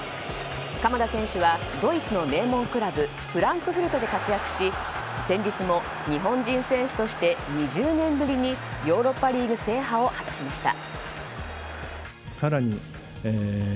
鎌田選手はドイツの名門クラブフランクフルトで活躍し、先日も日本人選手として２０年ぶりにヨーロッパリーグ制覇を果たしました。